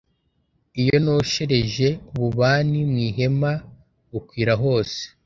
iyo noshereje ububani mu Ihema bukwira hose